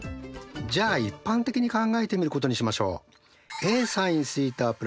じゃあ一般的に考えてみることにしましょう。